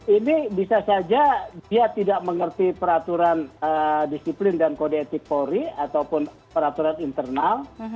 ini bisa saja dia tidak mengerti peraturan disiplin dan kode etik polri ataupun peraturan internal